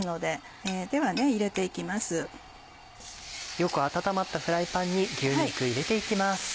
よく温まったフライパンに牛肉入れて行きます。